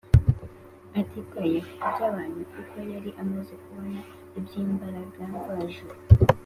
, atitaye kuby’abantu kuko yari amaze kubona iby’imbaraga mvajuru